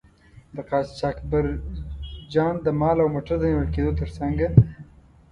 د قاچاقبرجان د مال او موټر د نیول کیدو تر څنګه.